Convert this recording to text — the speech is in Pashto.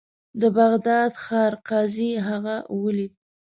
د بغداد ښار قاضي هغه ولید.